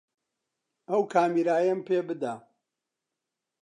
ئەو کامێرایەم پێ بدە.